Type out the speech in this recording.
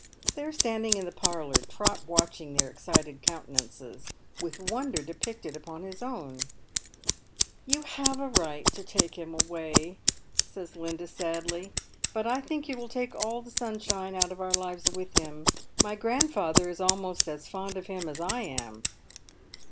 I'hey are standing in the parlour, Trot watching fiieir excited countenances, with wonder depicted upon his own. " You have a right to take him away," says Linda, sadly, " but I think you will take all the sunshine of our lives with him. My grandfather is almost as fond of him as I am."